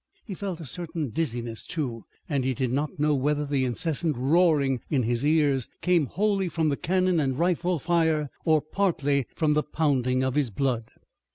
He felt a certain dizziness, too, and he did not know whether the incessant roaring in his ears came wholly from the cannon and rifle fire or partly from the pounding of his blood.